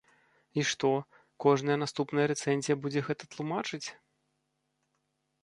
І што, кожная наступная рэцэнзія будзе гэта тлумачыць?